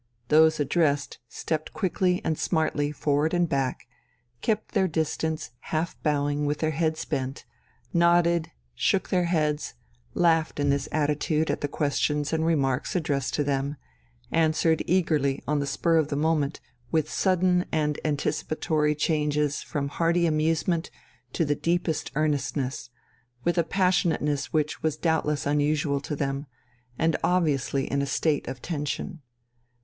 Those addressed stepped quickly and smartly forward and back, kept their distance half bowing with their heads bent, nodded, shook their heads, laughed in this attitude at the questions and remarks addressed to them answered eagerly on the spur of the moment, with sudden and anticipatory changes from hearty amusement to the deepest earnestness, with a passionateness which was doubtless unusual to them, and obviously in a state of tension.